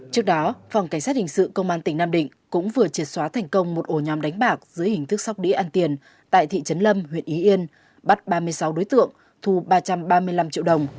trước đó phòng cảnh sát hình sự công an tỉnh nam định cũng vừa triệt xóa thành công một ổ nhóm đánh bạc dưới hình thức sóc đĩa ăn tiền tại thị trấn lâm huyện y yên bắt ba mươi sáu đối tượng thu ba trăm ba mươi năm triệu đồng